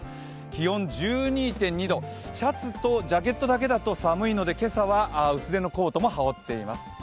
気温１２．２度、シャツとジャケットだけだと寒いので今朝は薄手のコートも羽織っています。